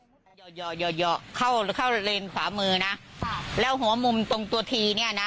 เยาะเยาะเยาะเข้าเข้าเรนขวามือนะครับแล้วหัวมุมตรงตัวทีเนี้ยน่ะ